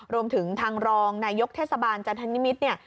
รวมถึงทางรองนายกเทศบาลจันทนิมิตรเนี่ย